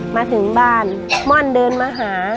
มาถึงบ้านม่อนเดินมาหา